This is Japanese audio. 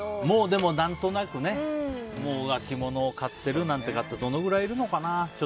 でも何となくね秋物を買ってる方どのぐらいいるのかな。